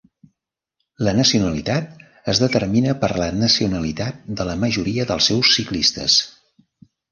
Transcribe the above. La nacionalitat es determina per la nacionalitat de la majoria dels seus ciclistes.